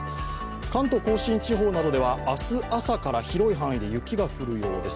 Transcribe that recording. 関東甲信地方などでは明日朝から広い範囲で雪が降るようです。